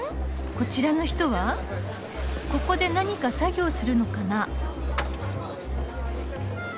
こちらの人はここで何か作業するのかな。